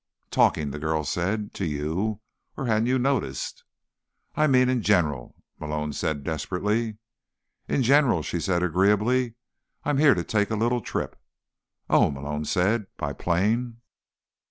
"Talking," the girl said. "To you. Or hadn't you noticed?" "I mean in general," Malone said desperately. "In general," she said agreeably, "I'm here to take a little trip." "Oh," Malone said. "By plane?"